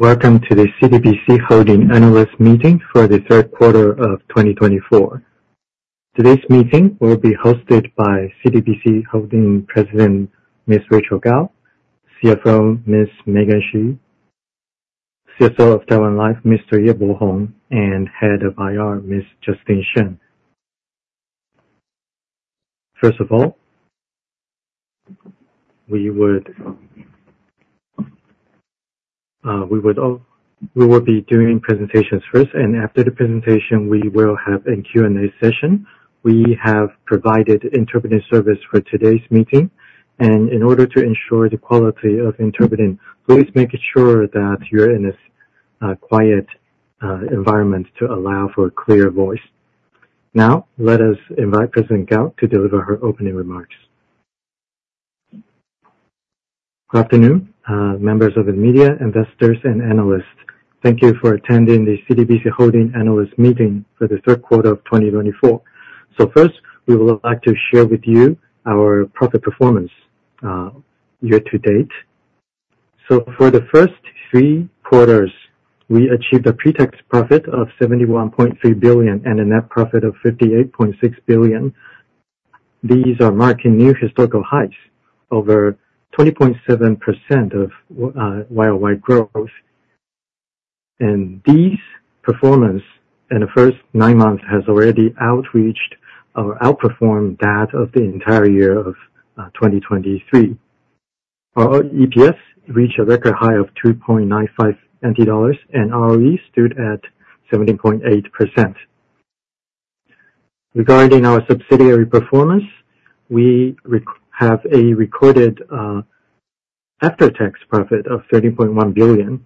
Welcome to the CTBC Holding analyst meeting for the third quarter of 2024. Today's meeting will be hosted by CTBC Holding President, Ms. Rachael Kao; CFO, Ms. Megan Hsu; CSO of Taiwan Life, Mr. Yeh Po-Hung, and Head of IR, Ms. Justine Shen. First of all, we would be doing presentations first, and after the presentation, we will have a Q&A session. We have provided interpreter service for today's meeting, and in order to ensure the quality of interpreting, please make sure that you are in a quiet environment to allow for a clear voice. Now, let us invite President Kao to deliver her opening remarks. Good afternoon, members of the media, investors, and analysts. Thank you for attending the CTBC Holding analyst meeting for the third quarter of 2024. First, we would like to share with you our profit performance year to date. For the first three quarters, we achieved a pre-tax profit of 71.3 billion and a net profit of 58.6 billion. These are marking new historical highs, over 20.7% of year-over-year growth. This performance in the first nine months has already outperformed that of the entire year of 2023. Our EPS reached a record high of 2.95, and ROE stood at 17.8%. Regarding our subsidiary performance, we have a recorded after-tax profit of 30.1 billion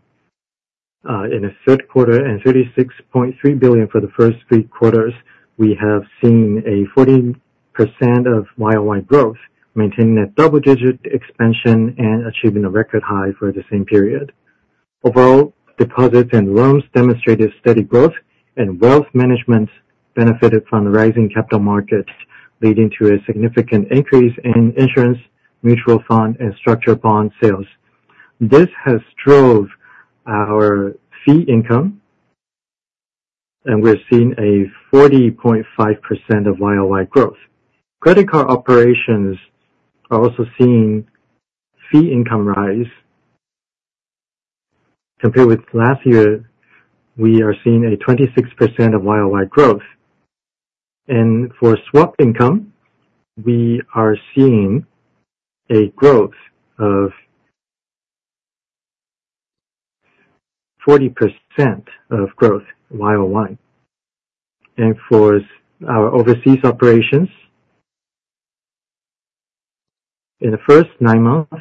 in the third quarter, and 36.3 billion for the first three quarters. We have seen a 40% of year-over-year growth, maintaining a double-digit expansion and achieving a record high for the same period. Overall, deposits and loans demonstrated steady growth, and wealth management benefited from rising capital markets, leading to a significant increase in insurance, mutual fund, and structured bond sales. This has driven our fee income, and we are seeing a 40.5% of year-over-year growth. Credit card operations are also seeing fee income rise. Compared with last year, we are seeing a 26% of year-over-year growth. For swap income, we are seeing a growth of 40% year-over-year. For our overseas operations, in the first nine months,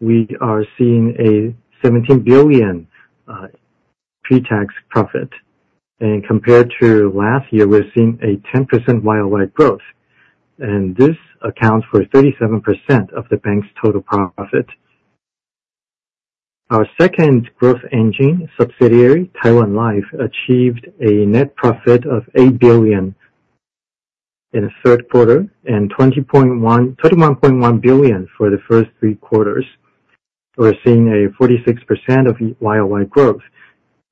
we are seeing a 17 billion pre-tax profit, and compared to last year, we are seeing a 10% year-over-year growth. This accounts for 37% of the bank's total profit. Our second growth engine subsidiary, Taiwan Life, achieved a net profit of 8 billion in the third quarter and 21.1 billion for the first three quarters. We are seeing a 46% of year-over-year growth,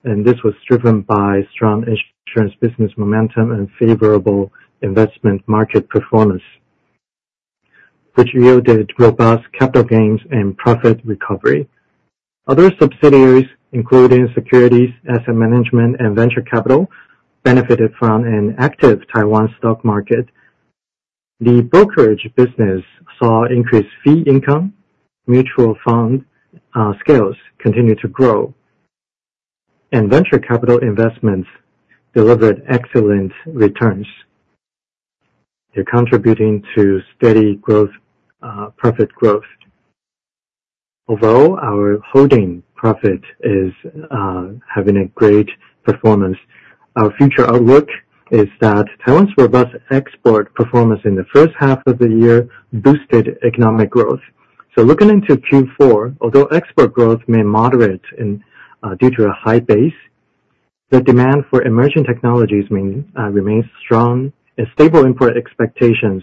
and this was driven by strong insurance business momentum and favorable investment market performance, which yielded robust capital gains and profit recovery. Other subsidiaries, including securities, asset management, and venture capital, benefited from an active Taiwan stock market. The brokerage business saw increased fee income. Mutual fund scales continued to grow, and venture capital investments delivered excellent returns. They are contributing to steady profit growth. Although our holding profit is having a great performance, our future outlook is that Taiwan's robust export performance in the first half of the year boosted economic growth. Looking into Q4, although export growth may moderate due to a high base, the demand for emerging technologies remains strong, and stable import expectations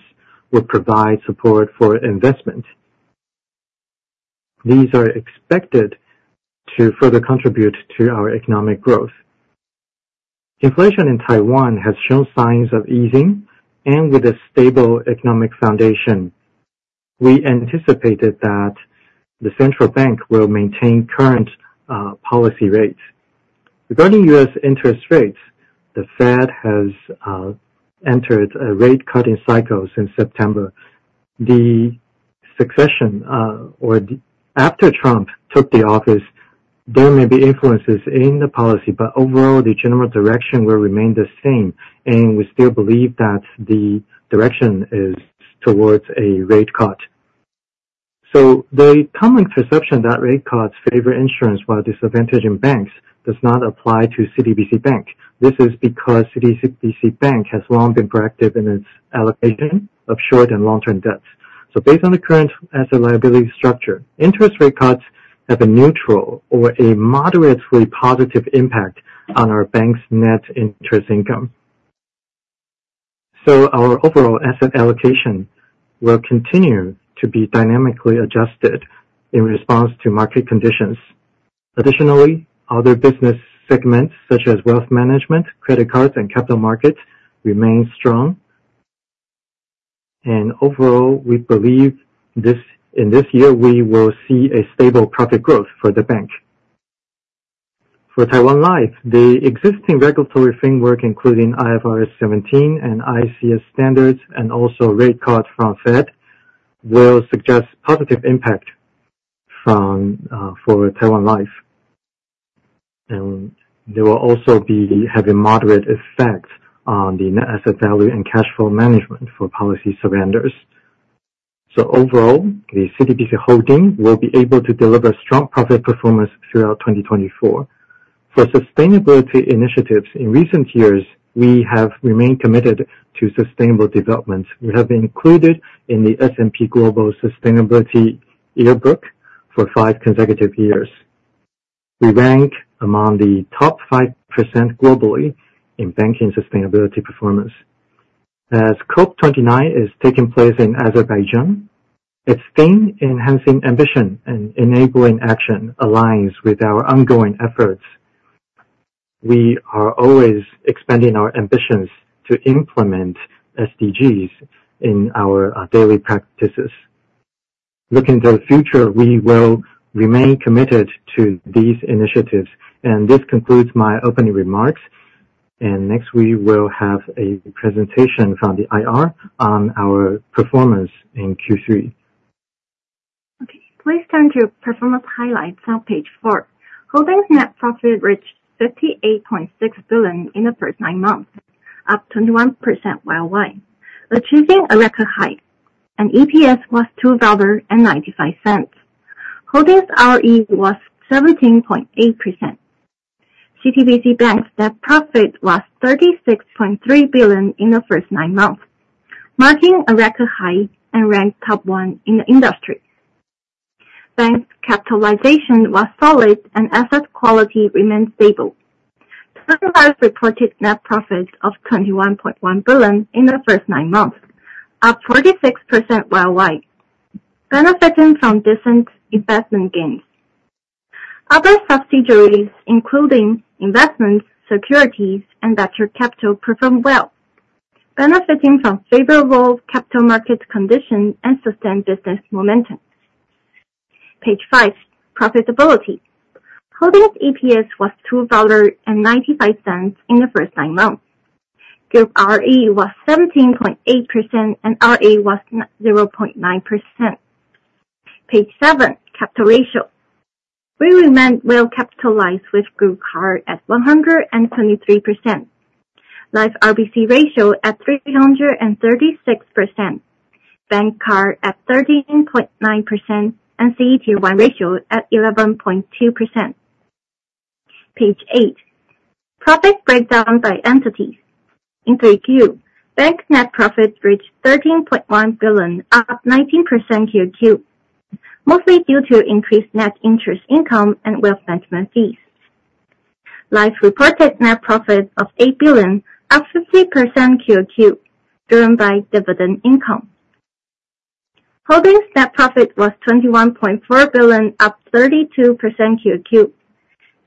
will provide support for investment. These are expected to further contribute to our economic growth. Inflation in Taiwan has shown signs of easing, and with a stable economic foundation, we anticipated that the central bank will maintain current policy rates. Regarding U.S. interest rates, the Fed has entered a rate-cutting cycle since September. The succession, or after Trump took the office, there may be influences in the policy, but overall, the general direction will remain the same, we still believe that the direction is towards a rate cut. The common perception that rate cuts favor insurance while disadvantaging banks does not apply to CTBC Bank. This is because CTBC Bank has long been proactive in its allocation of short- and long-term debts. Based on the current asset liability structure, interest rate cuts have a neutral or a moderately positive impact on our bank's net interest income. Our overall asset allocation will continue to be dynamically adjusted in response to market conditions. Additionally, other business segments such as wealth management, credit cards, and capital markets remain strong. Overall, we believe in this year, we will see a stable profit growth for the bank. For Taiwan Life, the existing regulatory framework, including IFRS 17 and ICS standards, also rate cut from Fed, will suggest positive impact for Taiwan Life. They will also have a moderate effect on the net asset value and cash flow management for policy surrenders. Overall, the CTBC Holding will be able to deliver strong profit performance throughout 2024. For sustainability initiatives, in recent years, we have remained committed to sustainable development. We have been included in the S&P Global Sustainability Yearbook for five consecutive years. We rank among the top 5% globally in banking sustainability performance. As COP29 is taking place in Azerbaijan, its theme, Enhancing Ambition and Enabling Action, aligns with our ongoing efforts. We are always expanding our ambitions to implement SDGs in our daily practices. Looking to the future, we will remain committed to these initiatives. This concludes my opening remarks. Next, we will have a presentation from the IR on our performance in Q3. Okay, please turn to performance highlights on page four. Holding's net profit reached NTD 58.6 billion in the first nine months, up 21% year-over-year, achieving a record high, and EPS was NTD 2.95. Holding's ROE was 17.8%. CTBC Bank net profit was NTD 36.3 billion in the first nine months, marking a record high and ranked top one in the industry. Bank's capitalization was solid and asset quality remained stable. Taiwan Life reported net profits of NTD 21.1 billion in the first nine months, up 46% year-over-year, benefiting from decent investment gains. Other subsidiaries, including investments, securities, and venture capital performed well, benefiting from favorable capital market conditions and sustained business momentum. Page five, profitability. Holding's EPS was NTD 2.95 in the first nine months. Group ROE was 17.8%, and ROA was 0.9%. Page seven, capital ratio. We remain well capitalized with group CAR at 123%, Life RBC ratio at 336%, bank CAR at 13.9%, and CET1 ratio at 11.2%. Page eight, profit breakdown by entity. In Q3Q, bank net profit reached 13.1 billion, up 19% QoQ, mostly due to increased net interest income and wealth management fees. Life reported net profit of 8 billion, up 50% QoQ, driven by dividend income. Holding's net profit was 21.4 billion, up 32% QoQ.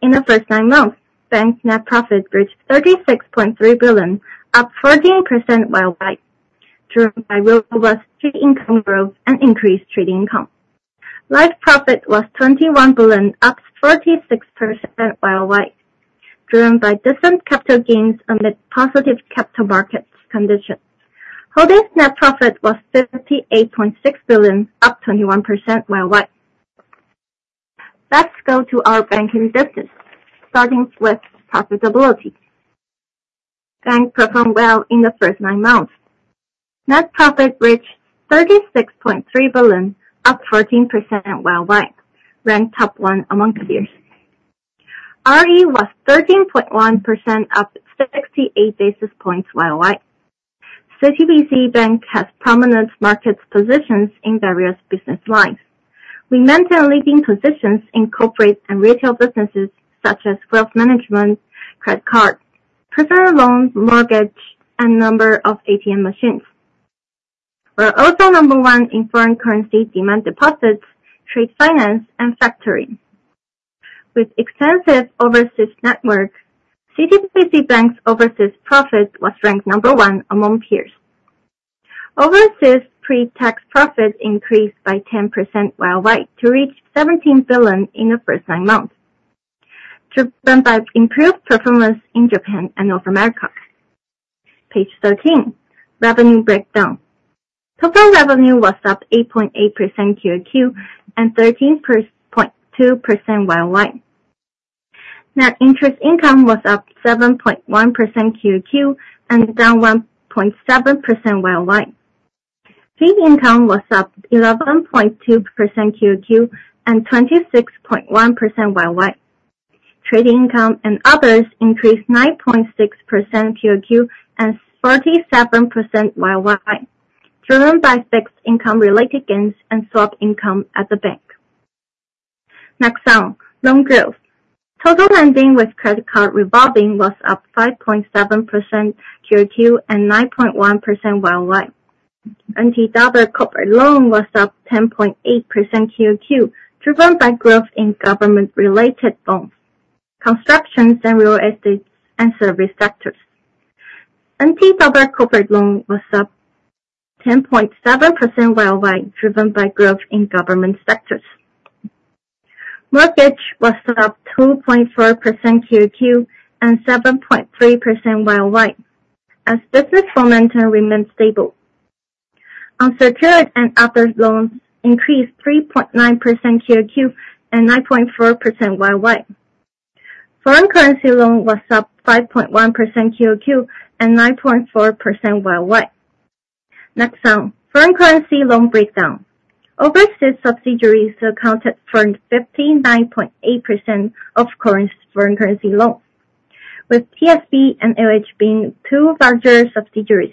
In the first nine months, bank net profit reached 36.3 billion, up 14% year-over-year, driven by robust trade income growth and increased trade income. Life profit was 21 billion, up 46% year-over-year, driven by decent capital gains amid positive capital markets conditions. Holding's net profit was 58.6 billion, up 21% year-over-year. Let's go to our banking business, starting with profitability. Bank performed well in the first nine months. Net profit reached 36.3 billion, up 14% year-over-year, ranked top one among peers. ROE was 13.1%, up 68 basis points year-over-year. CTBC Bank has prominent market positions in various business lines. We maintain leading positions in corporate and retail businesses such as wealth management, credit card, personal loans, mortgage, and number of ATM machines. We're also number one in foreign currency demand deposits, trade finance, and factoring. With extensive overseas network, CTBC Bank's overseas profit was ranked number one among peers. Overseas pre-tax profit increased by 10% year-over-year to reach 17 billion in the first nine months, driven by improved performance in Japan and North America. Page 13, revenue breakdown. Total revenue was up 8.8% QoQ and 13.2% year-over-year. Net interest income was up 7.1% QoQ and down 1.7% year-over-year. Fee income was up 11.2% QoQ and 26.1% year-over-year. Trade income and others increased 9.6% QoQ and 47% year-over-year, driven by fixed-income related gains and swap income at the bank. Next on, loan growth. Total lending with credit card revolving was up 5.7% QoQ and 9.1% YoY. NTD corporate loan was up 10.8% QoQ, driven by growth in government-related loans, constructions and real estate, and service sectors. NTD corporate loan was up 10.7% YoY, driven by growth in government sectors. Mortgage was up 2.4% QoQ and 7.3% YoY, as business momentum remained stable. Unsecured and other loans increased 3.9% QoQ and 9.4% YoY. Foreign currency loan was up 5.1% QoQ and 9.4% YoY. Next on, foreign currency loan breakdown. Overseas subsidiaries accounted for 59.8% of foreign currency loans, with TSB and LH being two larger subsidiaries.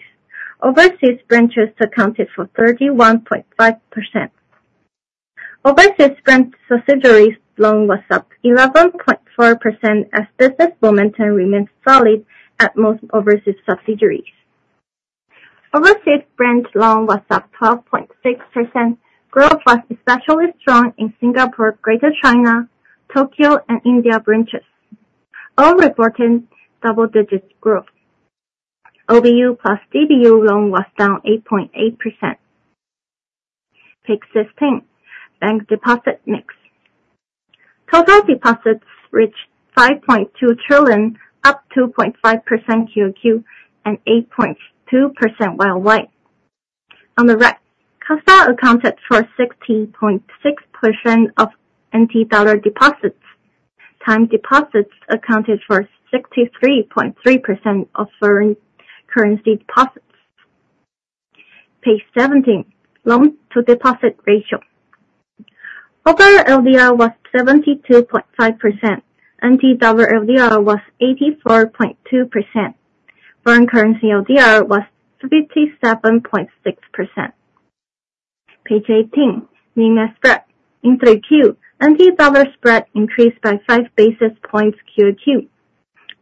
Overseas branches accounted for 31.5%. Overseas branch subsidiaries loan was up 11.4% as business momentum remains solid at most overseas subsidiaries. Overseas branch loan was up 12.6%. Growth was especially strong in Singapore, Greater China, Tokyo, and India branches, all reporting double-digits growth. OBU plus DBU loan was down 8.8%. Page 16, bank deposit mix. Total deposits reached 5.2 trillion, up 2.5% QoQ and 8.2% YoY. On the right, CASA accounted for 60.6% of NTD deposits. Time deposits accounted for 63.3% of foreign currency deposits. Page 17, loan-to-deposit ratio. Overall LDR was 72.5%. NTD LDR was 84.2%. Foreign currency LDR was 57.6%. Page 18, NIM and spread. In 3Q, NTD spread increased by five basis points quarter-over-quarter,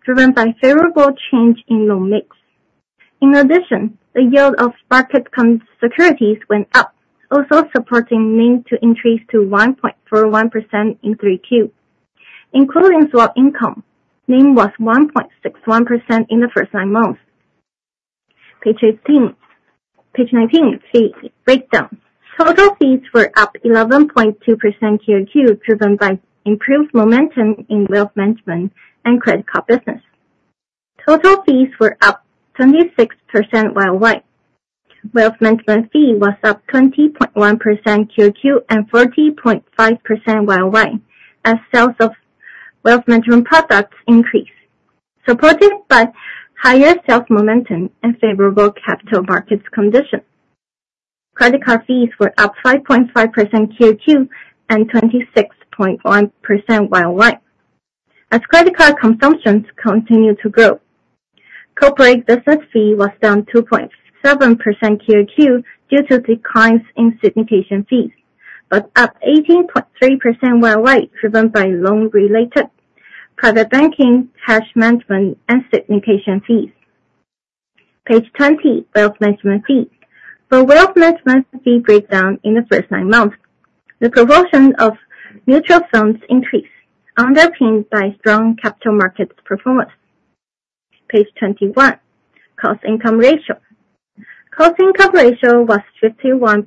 driven by favorable change in loan mix. In addition, the yield of market securities went up, also supporting NIM to increase to 1.41% in 3Q. Including swap income, NIM was 1.61% in the first nine months. Page 19, fees breakdown. Total fees were up 11.2% quarter-over-quarter, driven by improved momentum in wealth management and credit card business. Total fees were up 26% year-over-year. Wealth management fee was up 20.1% quarter-over-quarter and 40.5% year-over-year as sales of wealth management products increased, supported by higher sales momentum and favorable capital markets condition. Credit card fees were up 5.5% quarter-over-quarter and 26.1% year-over-year as credit card consumptions continued to grow. Corporate/business fee was down 2.7% quarter-over-quarter due to declines in syndication fees, but up 18.3% year-over-year driven by loan-related private banking, cash management, and syndication fees. Page 20, wealth management fees. For wealth management fee breakdown in the first nine months, the proportion of mutual funds increased, underpinned by strong capital markets performance. Page 21, cost income ratio. Cost income ratio was 51.4%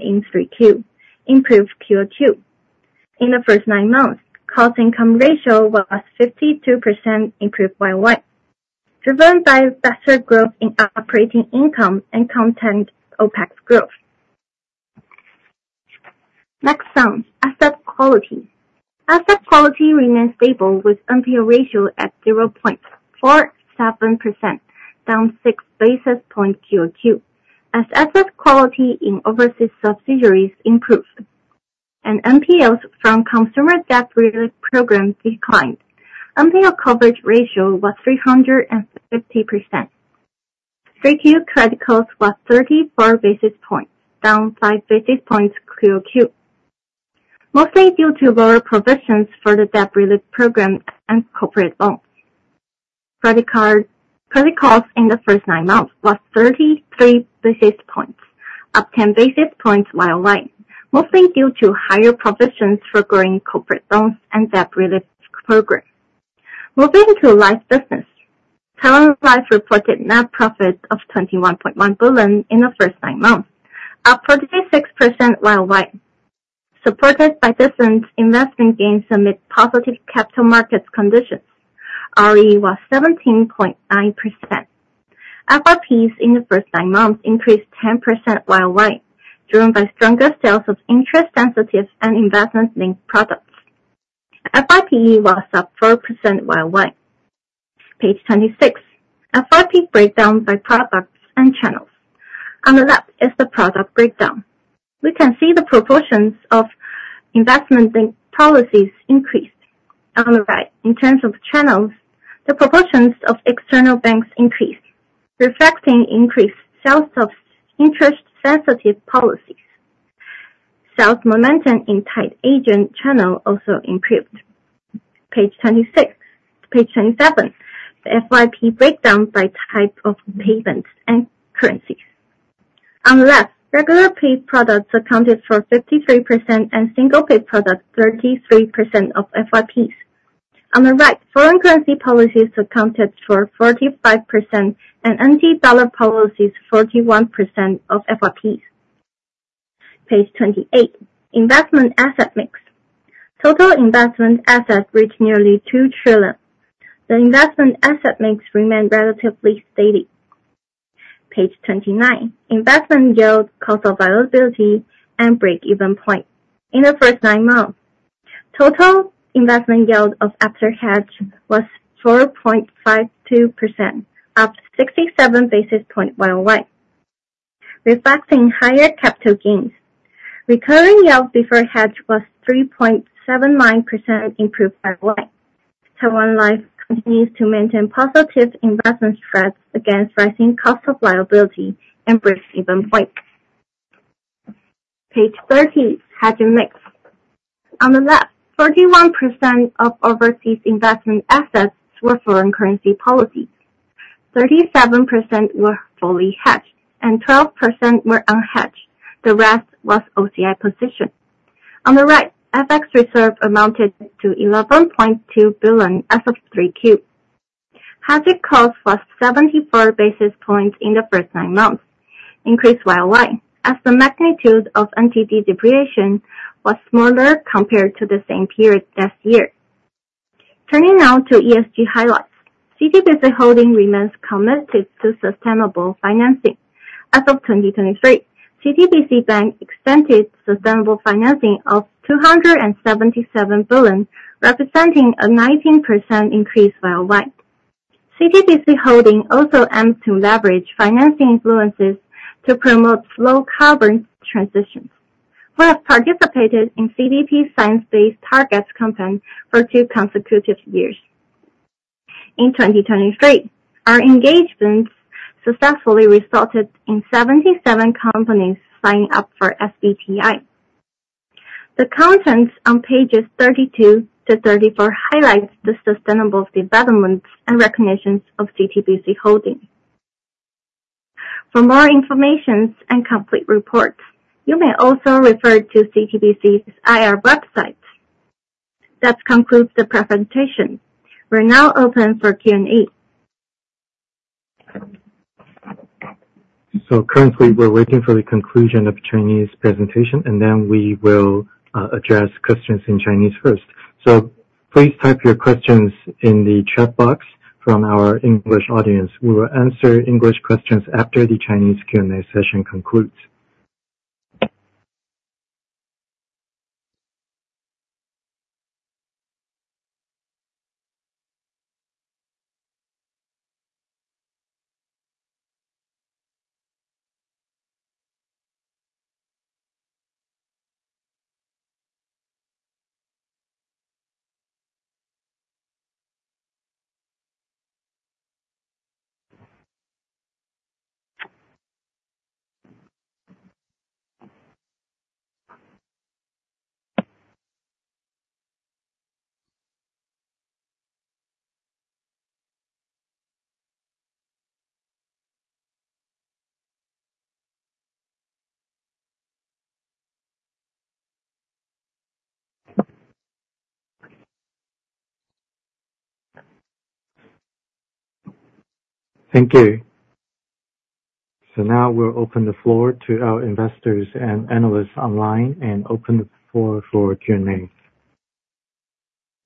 in Q3, improved quarter-over-quarter. In the first nine months, cost income ratio was 52% improved year-over-year, driven by better growth in operating income and contained OPEX growth. Next on, asset quality. Asset quality remained stable with NPL ratio at 0.47%, down six basis points quarter-over-quarter as asset quality in overseas subsidiaries improved and NPLs from consumer debt relief program declined. NPL coverage ratio was 350%. 3Q credit cost was 34 basis points, down five basis points quarter-over-quarter, mostly due to lower provisions for the debt relief program and corporate loans. Credit costs in the first nine months was 33 basis points, up 10 basis points year-over-year, mostly due to higher provisions for growing corporate loans and debt relief program. Moving to life business. Taiwan Life reported net profits of NTD 21.1 billion in the first nine months, up 46% year-over-year, supported by decent investment gains amid positive capital markets conditions. ROE was 17.9%. FYPs in the first nine months increased 10% year-over-year, driven by stronger sales of interest-sensitive and investment-linked products. FYPE was up 4% year-over-year. Page 26, FYP breakdown by products and channels. On the left is the product breakdown. We can see the proportions of investment in policies increased. On the right, in terms of channels, the proportions of external banks increased, reflecting increased sales of interest sensitive policies. Sales momentum in type agent channel also improved. Page 26. Page 27, the FYP breakdown by type of payments and currencies. On the left, regular paid products accounted for 53% and single paid product 33% of FYPs. On the right, foreign currency policies accounted for 45% and NTD policies 41% of FYPs. Page 28, investment asset mix. Total investment assets reached nearly NTD 2 trillion. The investment asset mix remained relatively steady. Page 29, investment yield, cost of liability, and break-even point. In the first nine months, total investment yield of after-hedge was 4.52%, up 67 basis points year-over-year, reflecting higher capital gains. Recurring yield before hedge was 3.79%, improved year-over-year. Taiwan Life continues to maintain positive investment spreads against rising cost of liability and break-even point. Page 30, hedging mix. On the left, 31% of overseas investment assets were foreign currency policies. 37% were fully hedged and 12% were unhedged. The rest was OCI position. On the right, FX reserve amounted to 11.2 billion as of 3Q. Hedging cost was 74 basis points in the first nine months, increased year-over-year, as the magnitude of NTD depreciation was smaller compared to the same period last year. Turning now to ESG highlights. CTBC Holding remains committed to sustainable financing. As of 2023, CTBC Bank extended sustainable financing of 277 billion, representing a 19% increase year-over-year. CTBC Holding also aims to leverage financing influences to promote slow carbon transitions. We have participated in CDP science-based targets campaign for two consecutive years. In 2023, our engagements successfully resulted in 77 companies signing up for SBTI. The contents on pages 32 to 34 highlight the sustainable developments and recognitions of CTBC Holding. For more information and complete reports, you may also refer to CTBC's IR website. That concludes the presentation. We're now open for Q&A. Currently, we're waiting for the conclusion of Chenni's presentation, and then we will address questions in Chinese first. Please type your questions in the chat box from our English audience. We will answer English questions after the Chinese Q&A session concludes. Thank you. Now we'll open the floor to our investors and analysts online and open the floor for Q&A.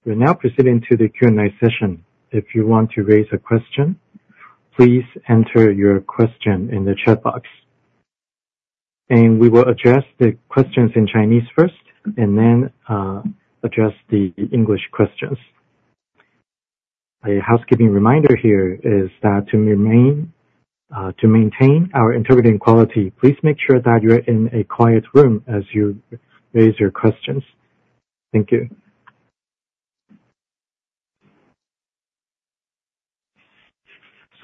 We're now proceeding to the Q&A session. If you want to raise a question, please enter your question in the chat box. We will address the questions in Chinese first, and then address the English questions. A housekeeping reminder here is that to maintain our interpreting quality, please make sure that you're in a quiet room as you raise your questions. Thank you.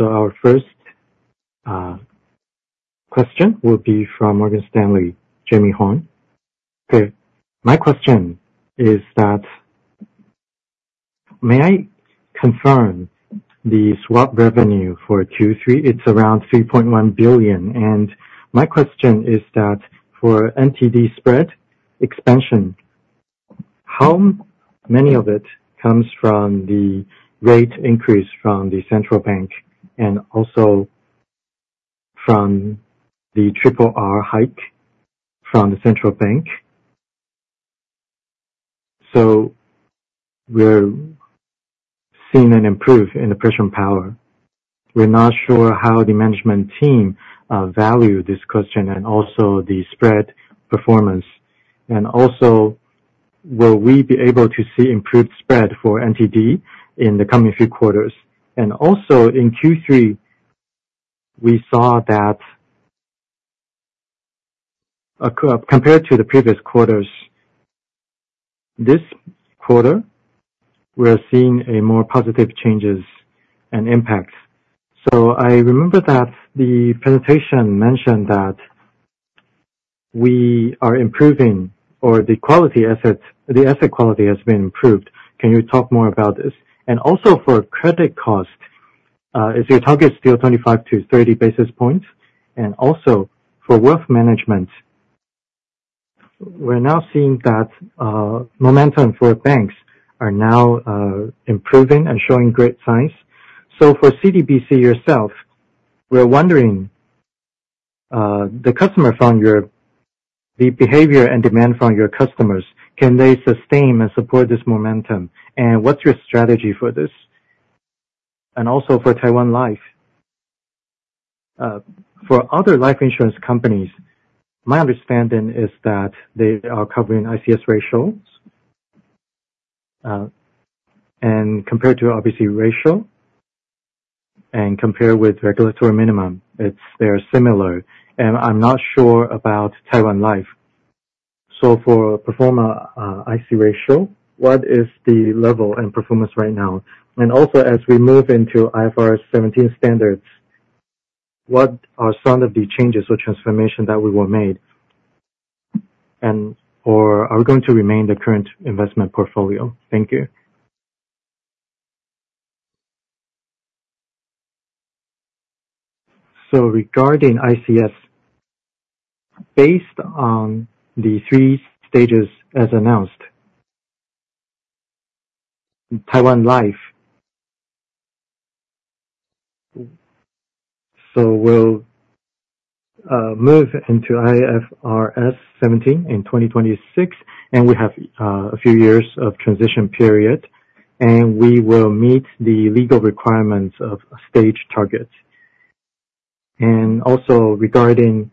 Our first question will be from Morgan Stanley, Jamie Hong. Okay. My question is that, may I confirm the swap revenue for Q3? It's around 3.1 billion. My question is that for NTD spread expansion, how many of it comes from the rate increase from the central bank and also from the triple R hike from the central bank? We're seeing an improve in the pricing power. We're not sure how the management team value this question and also the spread performance. Also, will we be able to see improved spread for NTD in the coming few quarters? Also, in Q3, we saw, compared to the previous quarters, this quarter, we're seeing more positive changes and impacts. I remember that the presentation mentioned that we are improving, or the asset quality has been improved. Can you talk more about this? For credit cost, is your target still 25 to 30 basis points? For wealth management, we're now seeing that momentum for banks are now improving and showing great signs. For CTBC yourself, we're wondering, the behavior and demand from your customers, can they sustain and support this momentum? What's your strategy for this? For Taiwan Life. For other life insurance companies, my understanding is that they are covering ICS ratios, compared to RBC ratio, and compared with regulatory minimum, they are similar. I'm not sure about Taiwan Life. For performer ICS ratio, what is the level and performance right now? As we move into IFRS 17 standards, what are some of the changes or transformation that were made? Or are we going to remain the current investment portfolio? Thank you. Regarding ICS, based on the 3 stages as announced, Taiwan Life. We'll move into IFRS 17 in 2026, and we have a few years of transition period, and we will meet the legal requirements of stage targets. Regarding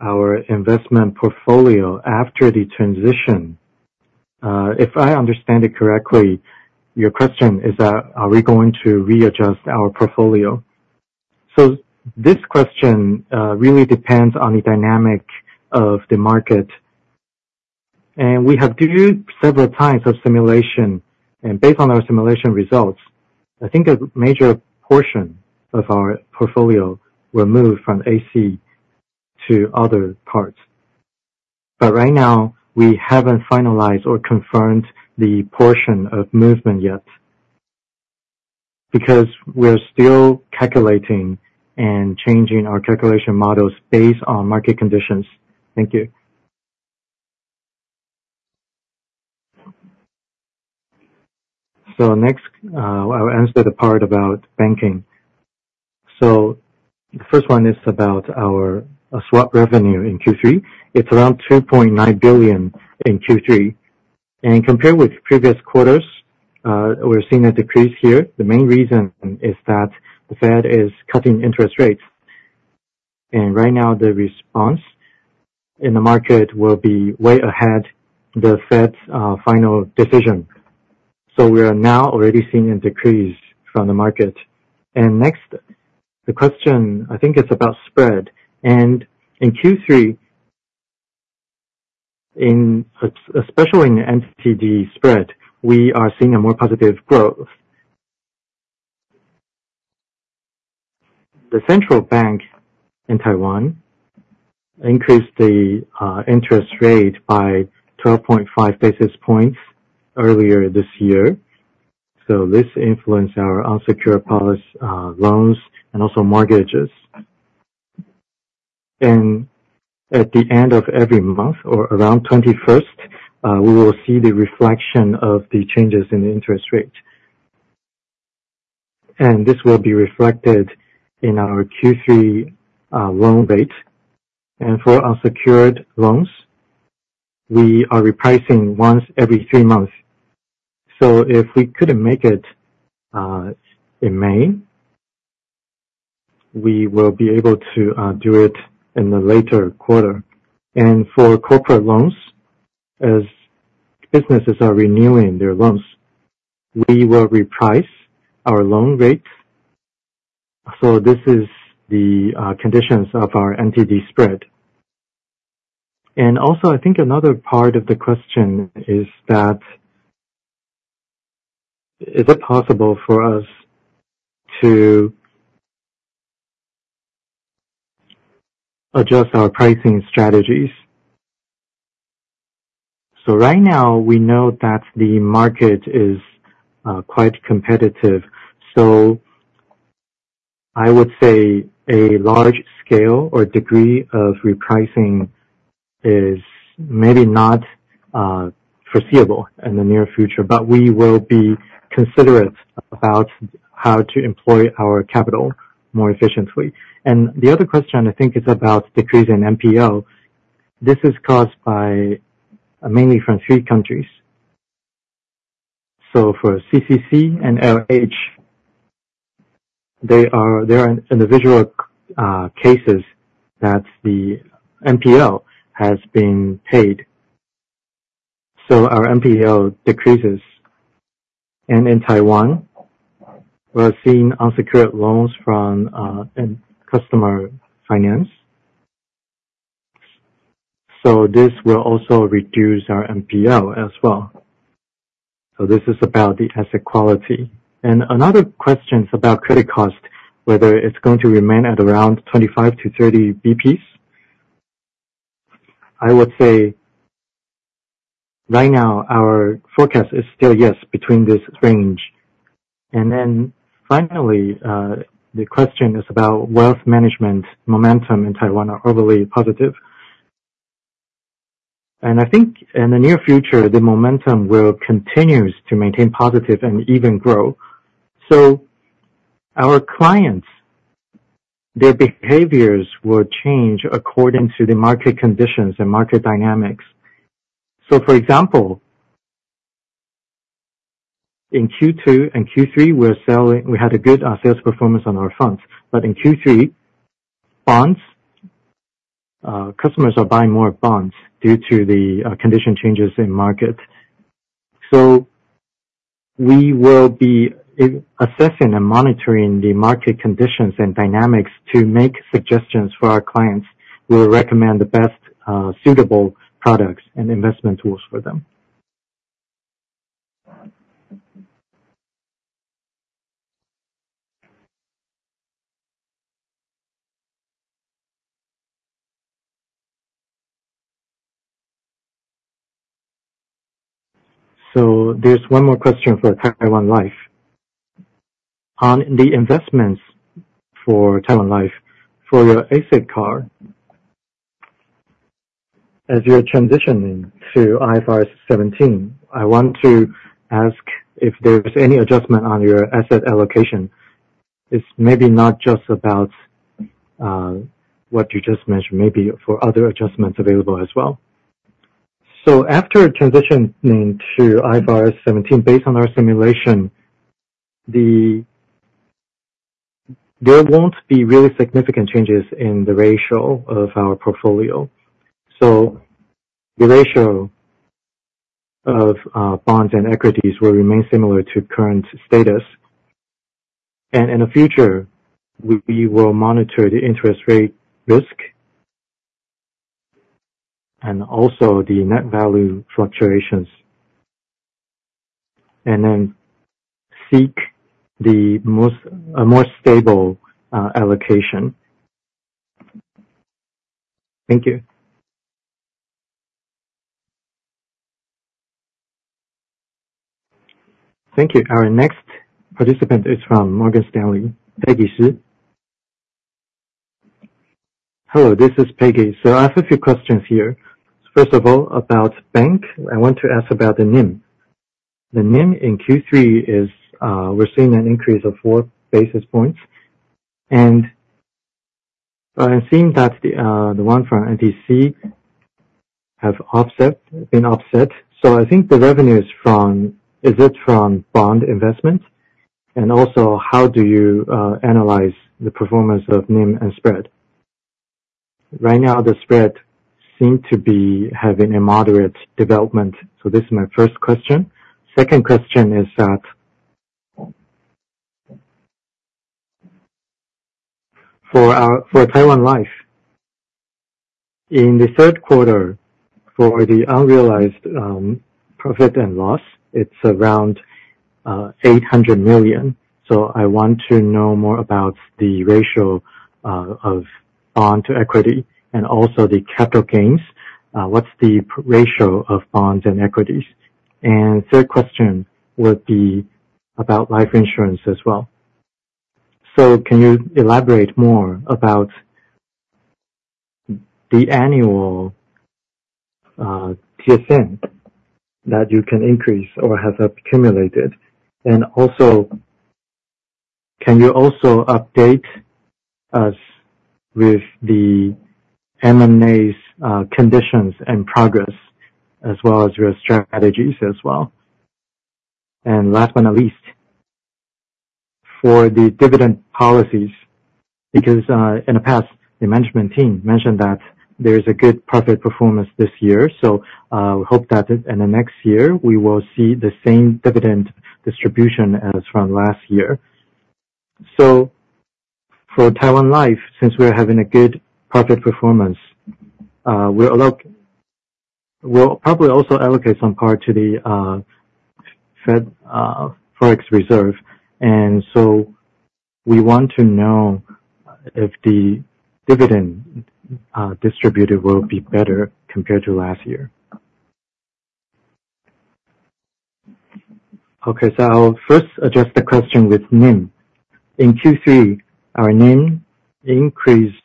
our investment portfolio after the transition, if I understand it correctly, your question is that, are we going to readjust our portfolio? This question really depends on the dynamic of the market. We have reviewed several types of simulation, and based on our simulation results, I think a major portion of our portfolio will move from AC to other parts. Right now, we haven't finalized or confirmed the portion of movement yet, because we're still calculating and changing our calculation models based on market conditions. Thank you. Next, I'll answer the part about banking. The first one is about our swap revenue in Q3. It's around 2.9 billion in Q3. Compared with previous quarters, we're seeing a decrease here. The main reason is that the Fed is cutting interest rates. Right now, the response in the market will be way ahead the Fed's final decision. We are now already seeing a decrease from the market. Next, the question, I think it's about spread. In Q3, especially in the NTD spread, we are seeing a more positive growth. The central bank in Taiwan increased the interest rate by 12.5 basis points earlier this year. This influenced our unsecured policy loans and also mortgages. At the end of every month or around 21st, we will see the reflection of the changes in the interest rate. This will be reflected in our Q3 loan rate. For our secured loans, we are repricing once every three months. If we couldn't make it in May, we will be able to do it in the later quarter. For corporate loans, as businesses are renewing their loans, we will reprice our loan rates. This is the conditions of our NTD spread. I think another part of the question is that, is it possible for us to adjust our pricing strategies? Right now, we know that the market is quite competitive. I would say a large scale or degree of repricing is maybe not foreseeable in the near future. We will be considerate about how to employ our capital more efficiently. The other question, I think, is about decrease in NPL. This is caused by mainly from three countries. For CCC and LH, there are individual cases that the NPL has been paid. Our NPL decreases. In Taiwan, we are seeing unsecured loans from customer finance. This will also reduce our NPL as well. This is about the asset quality. Another question is about credit cost, whether it's going to remain at around 25 to 30 basis points. I would say right now our forecast is still yes, between this range. Finally, the question is about wealth management momentum in Taiwan are overly positive. I think in the near future, the momentum will continues to maintain positive and even grow. Our clients, their behaviors will change according to the market conditions and market dynamics. For example, in Q2 and Q3, we had a good sales performance on our funds. In Q3, customers are buying more bonds due to the condition changes in market. We will be assessing and monitoring the market conditions and dynamics to make suggestions for our clients. We will recommend the best suitable products and investment tools for them. There's one more question for Taiwan Life. On the investments for Taiwan Life, for your asset card, as you're transitioning to IFRS 17, I want to ask if there's any adjustment on your asset allocation. It's maybe not just about what you just mentioned, maybe for other adjustments available as well. After transitioning to IFRS 17, based on our simulation, there won't be really significant changes in the ratio of our portfolio. The ratio of bonds and equities will remain similar to current status. In the future, we will monitor the interest rate risk, and also the net value fluctuations, and then seek a more stable allocation. Thank you. Thank you. Our next participant is from Morgan Stanley, Peggy Shih. Hello, this is Peggy. I have a few questions here. First of all, about bank, I want to ask about the NIM. The NIM in Q3, we're seeing an increase of four basis points, and I'm seeing that the one from NTC have been offset. I think the revenue, is it from bond investment? Also, how do you analyze the performance of NIM and spread? Right now, the spread seem to be having a moderate development. This is my first question. Second question is that, for Taiwan Life, in the third quarter, for the unrealized profit and loss, it's around 800 million. I want to know more about the ratio of bond to equity and also the capital gains. What's the ratio of bonds and equities? Third question would be about life insurance as well. Can you elaborate more about the annual CSM that you can increase or have accumulated? Also, can you also update us with the M&As conditions and progress as well as your strategies as well? Last but not least, for the dividend policies, because in the past, the management team mentioned that there's a good profit performance this year, hope that in the next year we will see the same dividend distribution as from last year. For Taiwan Life, since we're having a good profit performance, we'll probably also allocate some part to the Fed Forex reserve. We want to know if the dividend distributed will be better compared to last year. I'll first address the question with NIM. In Q3, our NIM increased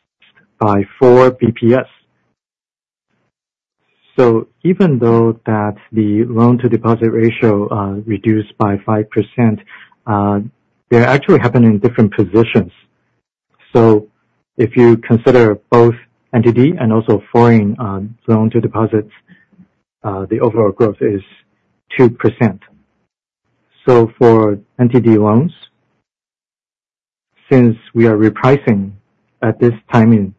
by four BPS. Even though that the loan-to-deposit ratio reduced by 5%, they're actually happening in different positions. If you consider both entity and also foreign loan-to-deposits, the overall growth is 2%. For NTD loans. Since we are repricing at this timing,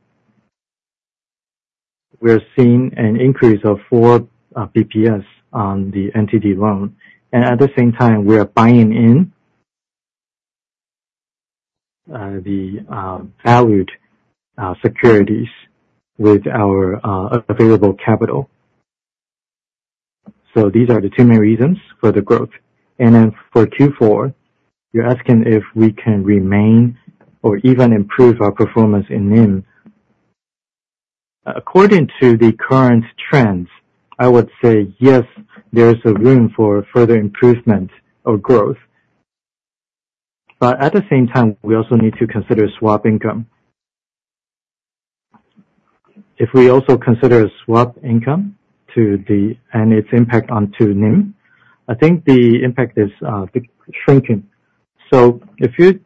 we're seeing an increase of four BPS on the NTD loan. At the same time, we are buying in the valued securities with our available capital. These are the two main reasons for the growth. For Q4, you're asking if we can remain or even improve our performance in NIM. According to the current trends, I would say yes, there is a room for further improvement or growth. At the same time, we also need to consider swap income. If we also consider swap income and its impact onto NIM, I think the impact is shrinking. If you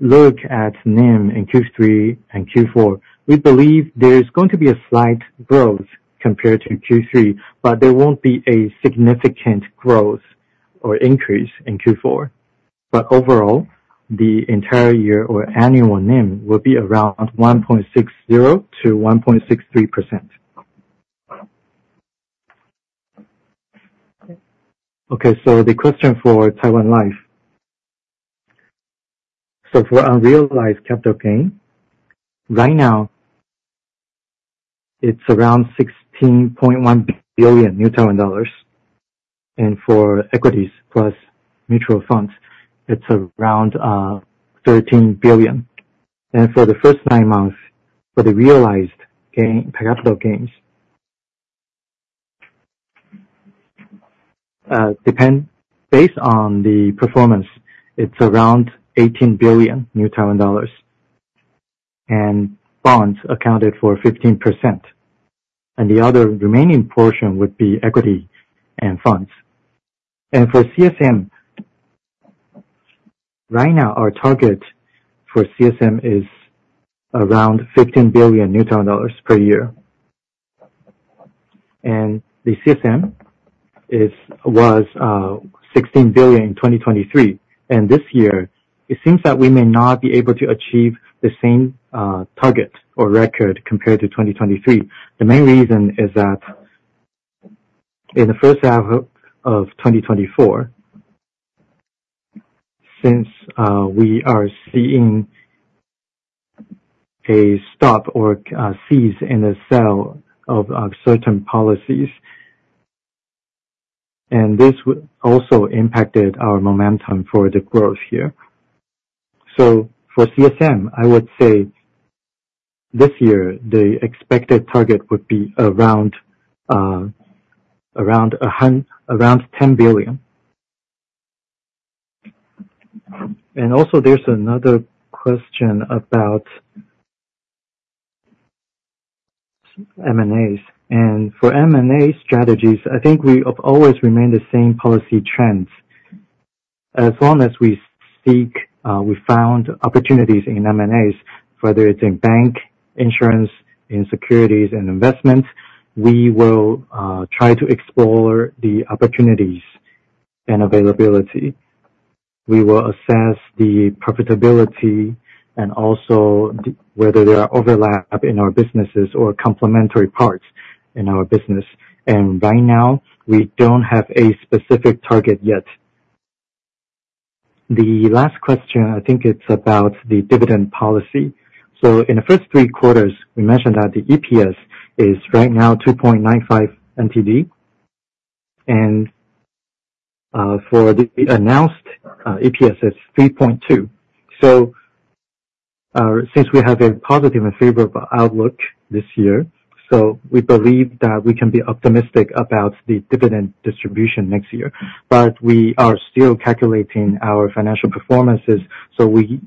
look at NIM in Q3 and Q4, we believe there is going to be a slight growth compared to Q3, but there won't be a significant growth or increase in Q4. Overall, the entire year or annual NIM will be around 1.60%-1.63%. The question for Taiwan Life. For unrealized capital gain, right now it's around 16.1 billion, and for equities plus mutual funds, it's around 13 billion. For the first nine months, for the realized capital gains, depend based on the performance, it's around 18 billion. Bonds accounted for 15%. The other remaining portion would be equity and funds. For CSM, right now our target for CSM is around 15 billion dollars per year. The CSM was 16 billion in 2023. This year it seems that we may not be able to achieve the same target or record compared to 2023. The main reason is that in the first half of 2024, since we are seeing a stop or a cease in the sale of certain policies, and this also impacted our momentum for the growth here. For CSM, I would say this year the expected target would be around TWD 10 billion. Also there's another question about M&As. For M&A strategies, I think we always remain the same policy trends. As long as we found opportunities in M&As, whether it's in bank, insurance, in securities and investments, we will try to explore the opportunities and availability. We will assess the profitability and also whether there are overlap in our businesses or complementary parts in our business. Right now, we don't have a specific target yet. The last question, I think it's about the dividend policy. In the first three quarters, we mentioned that the EPS is right now NTD 2.95, and for the announced EPS is NTD 3.2. Since we have a positive and favorable outlook this year, we believe that we can be optimistic about the dividend distribution next year. We are still calculating our financial performances, we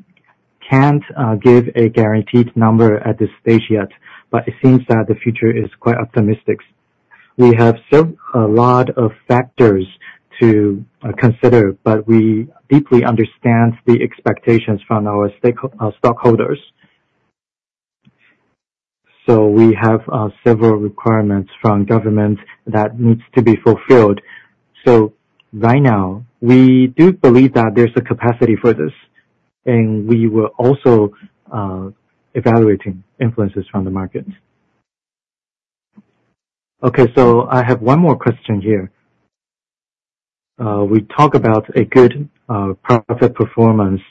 can't give a guaranteed number at this stage yet. It seems that the future is quite optimistic. We have a lot of factors to consider, but we deeply understand the expectations from our stockholders. We have several requirements from government that needs to be fulfilled. Right now we do believe that there's a capacity for this, and we were also evaluating influences from the market. Okay. I have one more question here. We talk about a good profit performance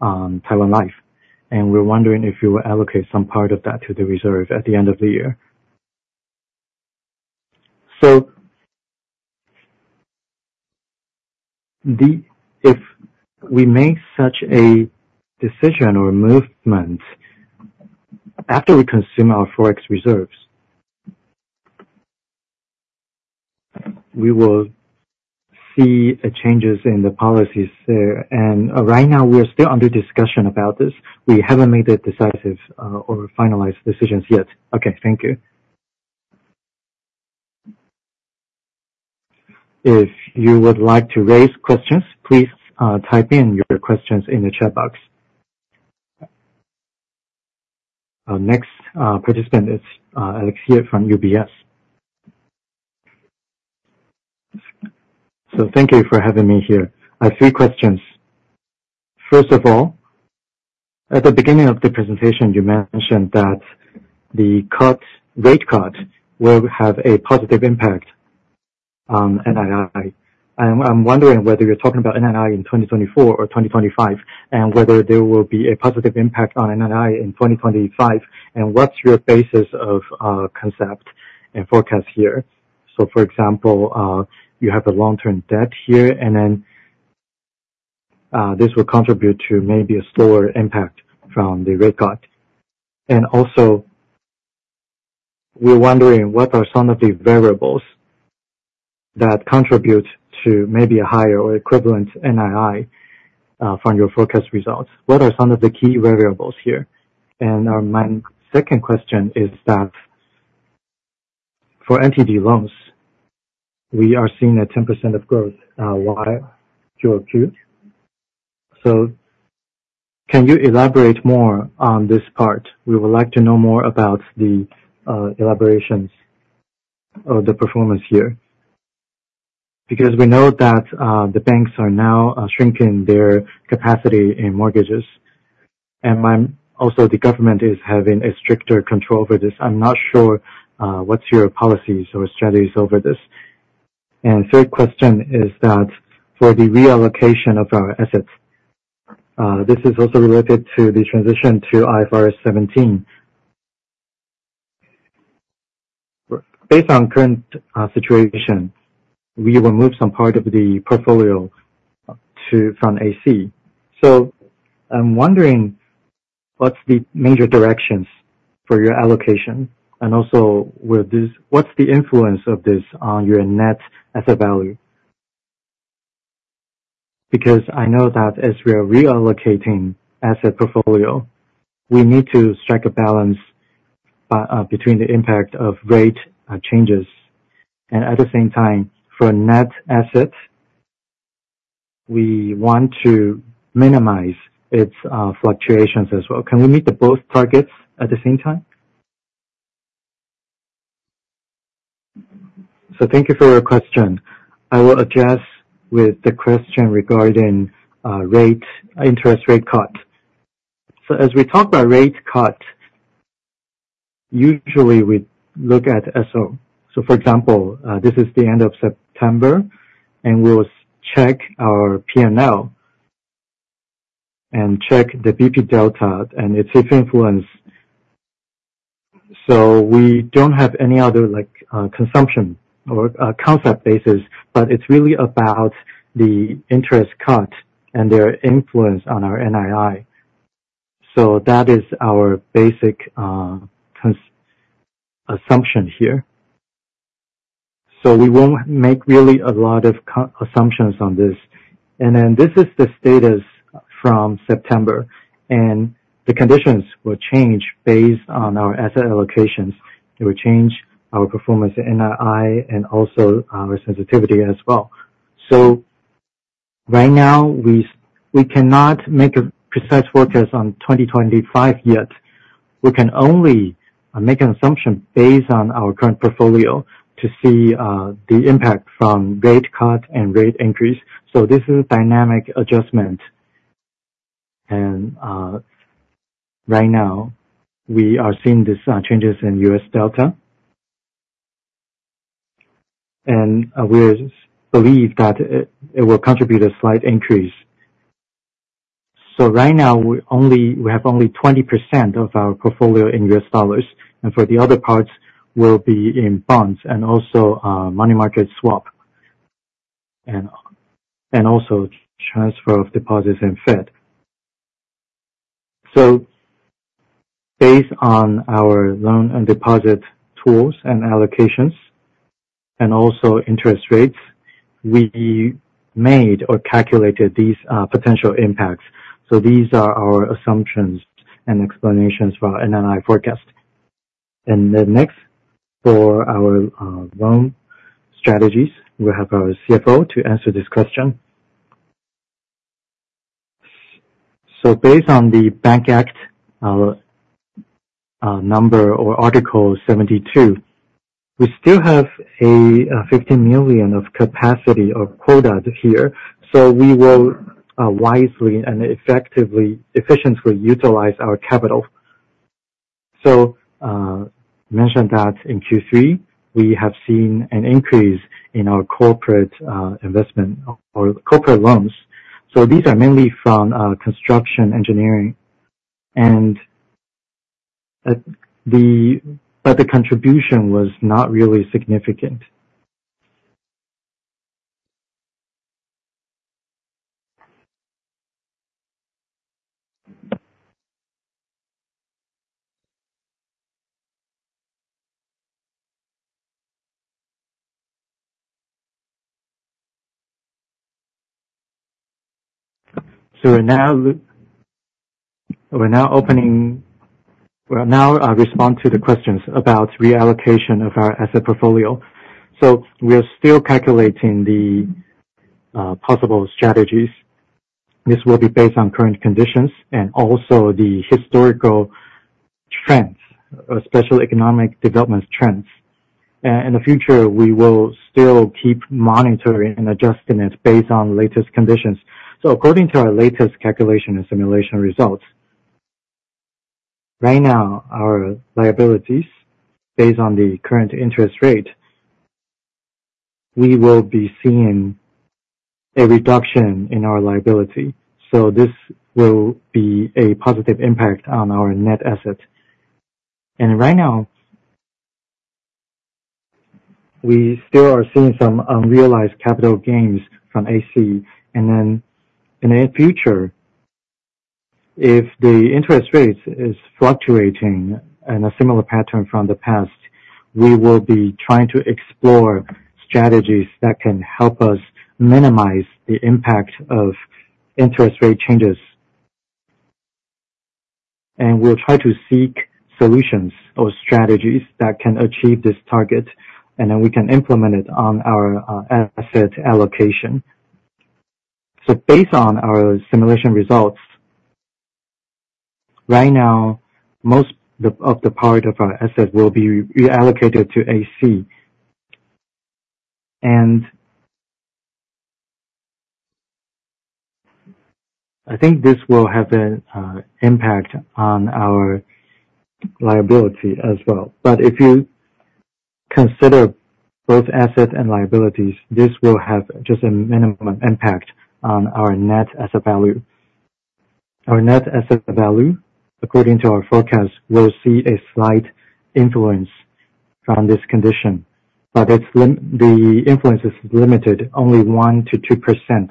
on Taiwan Life, and we're wondering if you will allocate some part of that to the reserve at the end of the year. If we make such a decision or movement after we consume our Forex reserves, we will see changes in the policies there. Right now we are still under discussion about this. We haven't made the decisive or finalized decisions yet. Okay. Thank you. If you would like to raise questions, please type in your questions in the chat box. Our next participant is Alex here from UBS. Thank you for having me here. I have three questions. First of all, at the beginning of the presentation, you mentioned that the rate cut will have a positive impact on NII. I'm wondering whether you're talking about NII in 2024 or 2025, and whether there will be a positive impact on NII in 2025, and what's your basis of concept and forecast here? For example, you have the long-term debt here, and then this will contribute to maybe a slower impact from the rate cut. Also, we're wondering, what are some of the variables that contribute to maybe a higher or equivalent NII from your forecast results? What are some of the key variables here? My second question is that, for entity loans, we are seeing a 10% of growth YQHQ. Can you elaborate more on this part? We would like to know more about the elaborations of the performance here. Because we know that the banks are now shrinking their capacity in mortgages. Also, the government is having a stricter control over this. I'm not sure what's your policies or strategies over this. Third question is that for the reallocation of our assets, this is also related to the transition to IFRS 17. Based on current situation, we will move some part of the portfolio from AC. I'm wondering what's the major directions for your allocation, and also, what's the influence of this on your net asset value? Because I know that as we are reallocating asset portfolio, we need to strike a balance between the impact of rate changes. At the same time, for net assets, we want to minimize its fluctuations as well. Can we meet both targets at the same time? Thank you for your question. I will address with the question regarding interest rate cut. As we talk about rate cut, usually we look at SO. For example, this is the end of September, and we'll check our P&L, and check the BP delta and its influence. We don't have any other consumption or concept basis, but it's really about the interest cut and their influence on our NII. That is our basic assumption here. We won't make really a lot of assumptions on this. Then this is the status from September, and the conditions will change based on our asset allocations. It will change our performance at NII and also our sensitivity as well. Right now, we cannot make a precise forecast on 2025 yet. We can only make an assumption based on our current portfolio to see the impact from rate cut and rate increase. This is dynamic adjustment. Right now, we are seeing these changes in US Delta, and we believe that it will contribute a slight increase. Right now, we have only 20% of our portfolio in US dollars, and for the other parts will be in bonds and also money market swap. Also transfer of deposits in Fed. Based on our loan and deposit tools and allocations and also interest rates, we made or calculated these potential impacts. These are our assumptions and explanations for our NII forecast. Next, for our loan strategies, we will have our CFO to answer this question. Based on the Banking Act of The Republic of China, our number or article 72, we still have 15 million of capacity or quota here. We will wisely and effectively, efficiently utilize our capital. Mentioned that in Q3, we have seen an increase in our corporate investment or corporate loans. These are mainly from construction engineering. The contribution was not really significant. We are now respond to the questions about reallocation of our asset portfolio. We are still calculating the possible strategies. This will be based on current conditions and also the historical trends, especially economic development trends. In the future, we will still keep monitoring and adjusting it based on latest conditions. According to our latest calculation and simulation results, right now, our liabilities, based on the current interest rate, we will be seeing a reduction in our liability. This will be a positive impact on our net asset. Right now, we still are seeing some unrealized capital gains from AC. In the future, if the interest rates is fluctuating in a similar pattern from the past, we will be trying to explore strategies that can help us minimize the impact of interest rate changes. We will try to seek solutions or strategies that can achieve this target, and then we can implement it on our asset allocation. Based on our simulation results, right now, most of the part of our assets will be reallocated to AC. I think this will have an impact on our liability as well. If you consider both assets and liabilities, this will have just a minimum impact on our net asset value. Our net asset value, according to our forecast, will see a slight influence from this condition. The influence is limited only 1%-2%.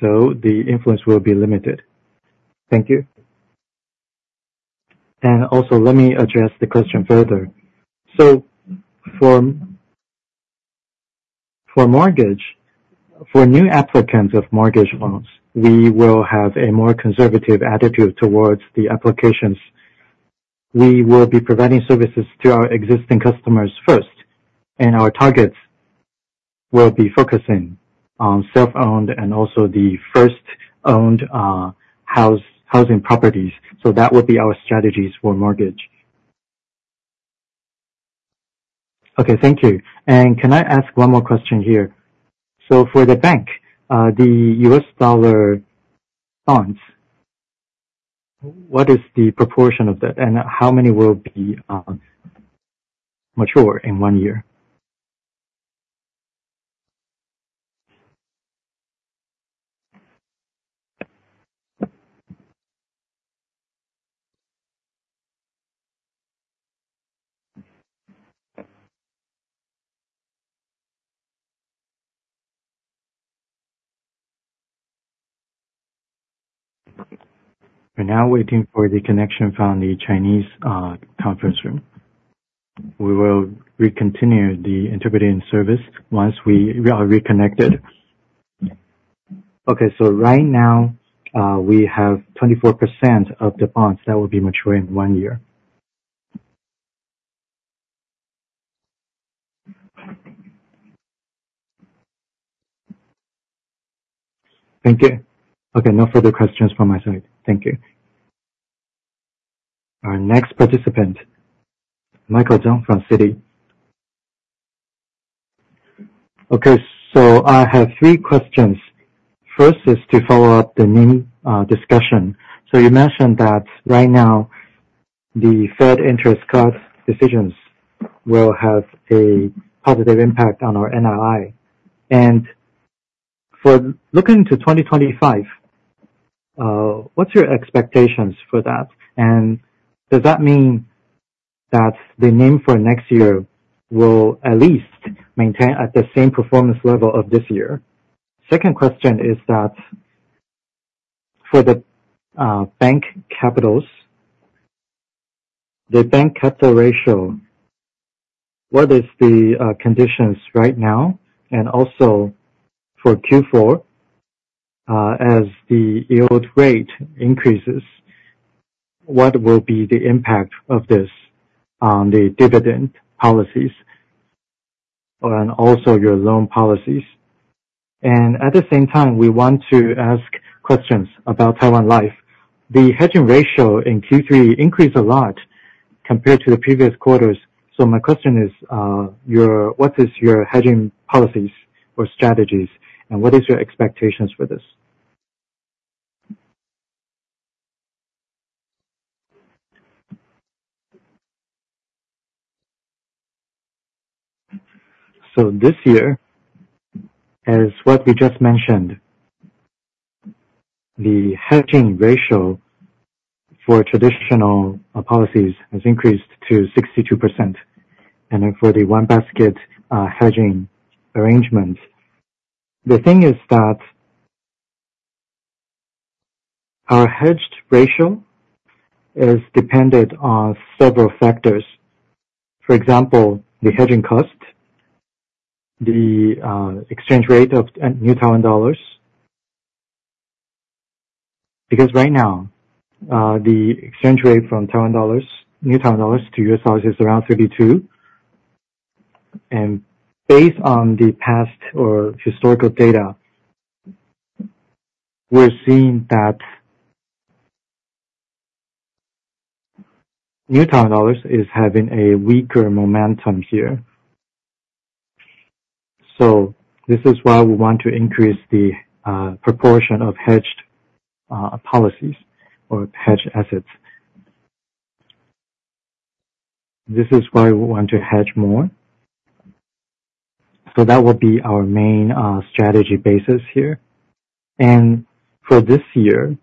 The influence will be limited. Thank you. Also, let me address the question further. For mortgage, for new applicants of mortgage loans, we will have a more conservative attitude towards the applications. We will be providing services to our existing customers first, and our targets will be focusing on self-owned and also the first-owned housing properties. That would be our strategies for mortgage. Okay, thank you. Can I ask one more question here? For the bank, the US dollar bonds, what is the proportion of that, and how many will be mature in one year? We are now waiting for the connection from the Chinese conference room. We will recontinue the interpreting service once we are reconnected. Okay. Right now, we have 24% of the bonds that will be mature in one year. Thank you. Okay, no further questions from my side. Thank you. Our next participant, Michael Zhang from Citi. Okay, I have three questions. First is to follow up the NIM discussion. You mentioned that right now the Fed interest cuts decisions will have a positive impact on our NII. For looking to 2025, what is your expectations for that? Does that mean that the NIM for next year will at least maintain at the same performance level of this year? Second question is that for the bank capital, the bank capital ratio, what are the conditions right now and also for Q4, as the yield rate increases, what will be the impact of this on the dividend policies and also your loan policies? At the same time, we want to ask questions about Taiwan Life. The hedging ratio in Q3 increased a lot compared to the previous quarters. My question is, what is your hedging policies or strategies, and what is your expectations for this? This year, as what we just mentioned, the hedging ratio for traditional policies has increased to 62%, and then for the one basket hedging arrangement. The thing is that our hedged ratio is dependent on several factors. For example, the hedging cost, the exchange rate of New Taiwan dollars. Because right now, the exchange rate from New Taiwan dollars to US dollars is around 32. Based on the past or historical data, we are seeing that New Taiwan dollars is having a weaker momentum here. This is why we want to increase the proportion of hedged policies or hedged assets. This is why we want to hedge more. That will be our main strategy basis here. For this year,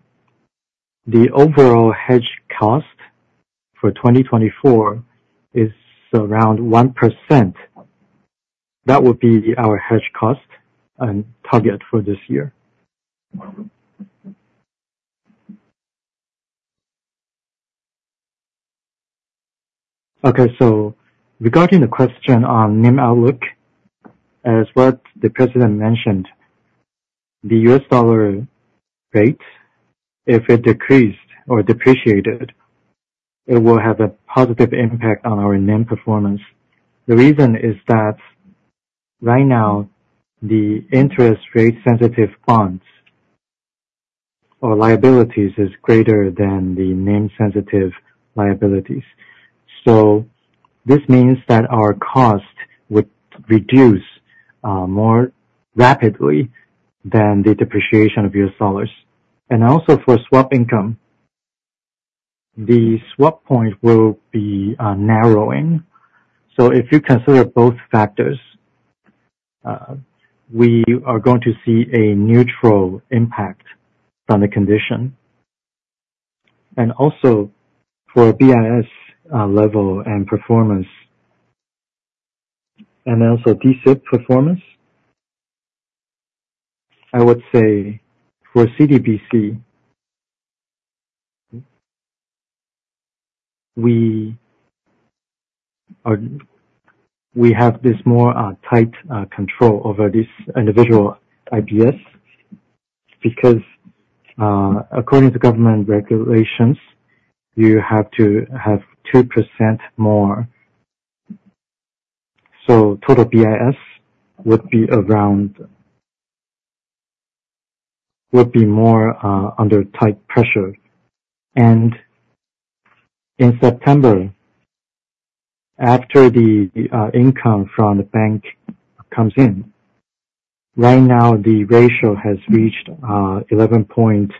the overall hedge cost for 2024 is around 1%. That will be our hedge cost and target for this year. Okay, regarding the question on NIM outlook, as what the president mentioned, the US dollar rate, if it decreased or depreciated, it will have a positive impact on our NIM performance. The reason is that right now, the interest rate sensitive bonds or liabilities are greater than the NIM sensitive liabilities. This means that our cost would reduce more rapidly than the depreciation of US dollars. Also for swap income, the swap point will be narrowing. If you consider both factors, we are going to see a neutral impact from the condition. Also for BIS level and performance, and also D-SIB performance, I would say for CTBC, we have this more tight control over this individual D-SIB, because according to government regulations, you have to have 2% more. Total BIS would be more under tight pressure. In September, after the income from the bank comes in, right now the ratio has reached 11.69%.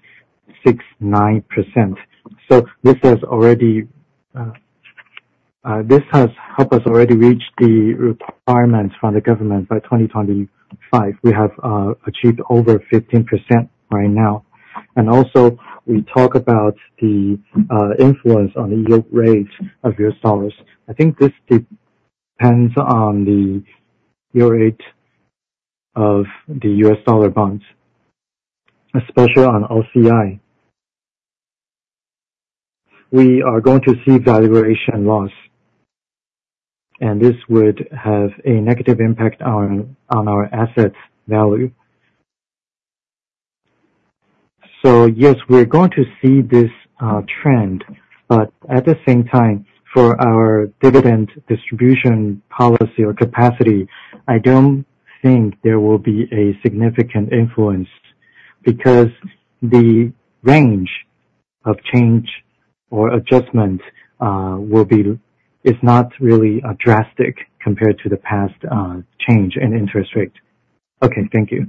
This has helped us already reach the requirements from the government by 2025. We have achieved over 15% right now. Also we talk about the influence on the yield rates of US dollars. I think this depends on the yield rate of the US dollar bonds, especially on OCI. We are going to see valuation loss, and this would have a negative impact on our assets value. Yes, we are going to see this trend, but at the same time, for our dividend distribution policy or capacity, I don't think there will be a significant influence because the range of change or adjustment is not really drastic compared to the past change in interest rate. Okay. Thank you.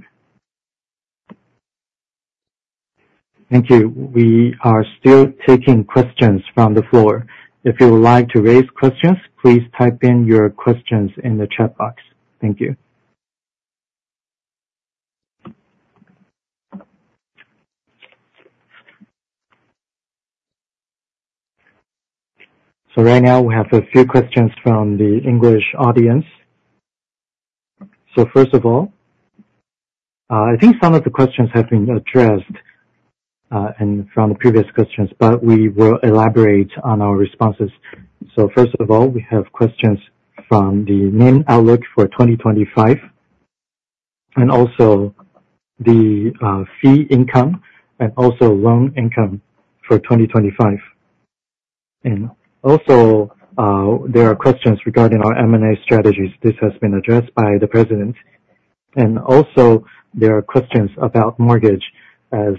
Thank you. We are still taking questions from the floor. If you would like to raise questions, please type in your questions in the chat box. Thank you. Right now, we have a few questions from the English audience. First of all, I think some of the questions have been addressed from the previous questions, but we will elaborate on our responses. First of all, we have questions from the NIM outlook for 2025, and also the fee income, and also loan income for 2025. There are questions regarding our M&A strategies. This has been addressed by the President. There are questions about mortgage as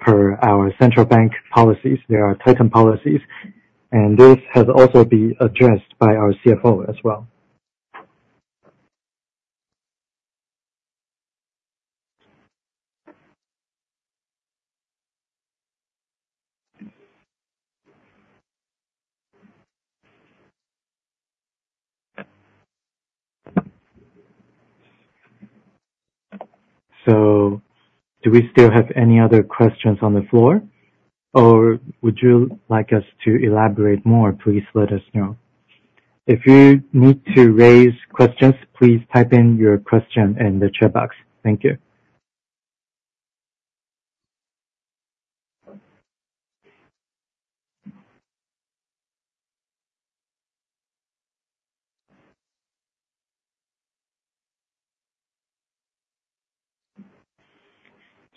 per our central bank policies. There are tightened policies. This has also been addressed by our CFO as well. Do we still have any other questions on the floor, or would you like us to elaborate more? Please let us know. If you need to raise questions, please type in your question in the chat box. Thank you.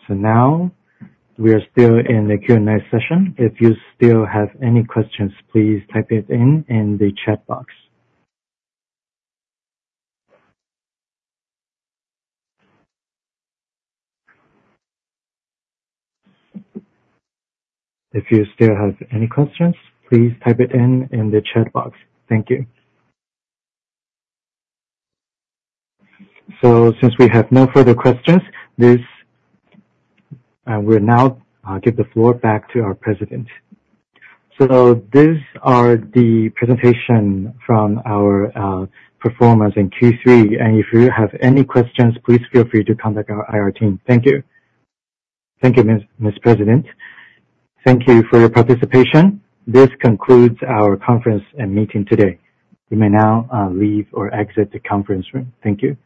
Now we are still in the Q&A session. If you still have any questions, please type it in in the chat box. If you still have any questions, please type it in in the chat box. Thank you. Since we have no further questions, we'll now give the floor back to our President. These are the presentation from our performance in Q3. If you have any questions, please feel free to contact our IR team. Thank you. Thank you, Mr. President. Thank you for your participation. This concludes our conference and meeting today. You may now leave or exit the conference room. Thank you.